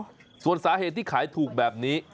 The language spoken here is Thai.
ส่วนสาเหตุที่ขายถูกแบบนี้